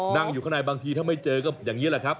นั่งอยู่ข้างในบางทีถ้าไม่เจอก็อย่างนี้แหละครับ